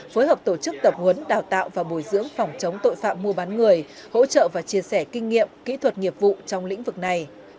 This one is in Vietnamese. phối hợp tổ chức tập huấn đào tạo và bồi dưỡng phòng chống tội phạm mua bán người hỗ trợ và chia sẻ kinh nghiệm kỹ thuật nghiệp vụ trong lĩnh vực này